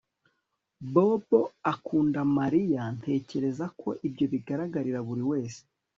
Bobo akunda Mariya Ntekereza ko ibyo bigaragarira buri wese